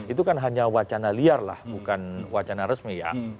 itu kan hanya wacana liar lah bukan wacana resmi ya